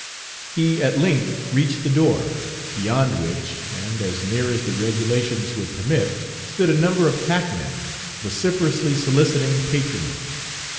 He at length reached the door, beyond which, and as near as the regulations would permit, stood a number of hackmen, vociferously soliciting patronage.